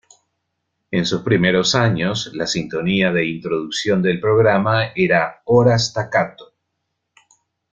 En sus primeros años, la sintonía de introducción del programa era "Hora staccato".